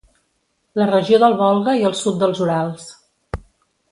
La regió del Volga i el sud dels Urals.